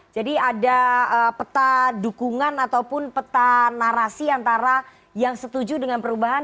jadi ada peta dukungan ataupun peta narasi antara yang setuju dengan perubahan